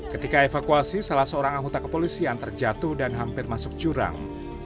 ketika evakuasi salah seorang anggota kepolisian terjatuh dan hampir masuk jurang